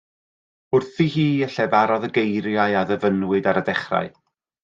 Wrthi hi y llefarodd y geiriau a ddyfynnwyd ar y dechrau.